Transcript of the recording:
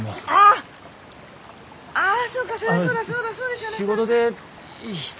ああ。